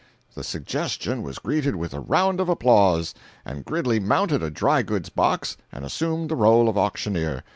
The suggestion was greeted with a round of applause, and Gridley mounted a dry goods box and assumed the role of auctioneer.